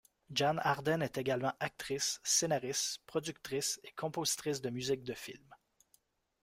Jann Arden est également actrice, scénariste, productrice et compositrice de musique de film.